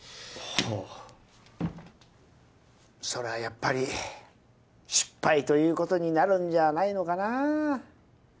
あそれはやっぱり失敗ということになるんじゃないのかな